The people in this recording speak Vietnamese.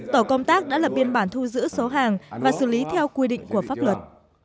tổ công tác đã lập biên bản thu giữ số hàng và xử lý theo quy định của pháp luật